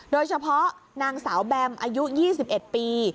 โดยเฉพาะนางสาวแบมอายุ๒๑ปี